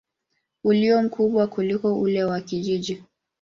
ulio mkubwa kuliko ule wa kijiji.